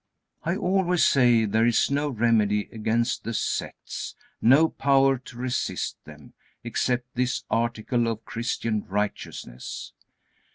I always say, there is no remedy against the sects, no power to resist them, except this article of Christian righteousness.